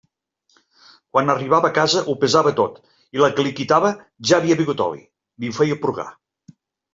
Quan arribava a casa ho pesava tot, i la que li quitava ja havia begut oli, li ho feia purgar.